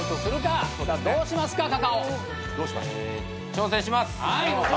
挑戦します。